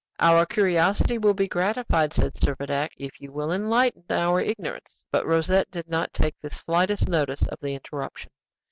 "Our curiosity will be gratified," said Servadac, "if you will enlighten our ignorance." But Rosette did not take the slightest notice of the interruption.